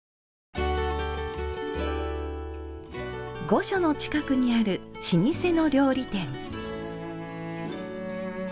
御所の近くにある老舗の料理店。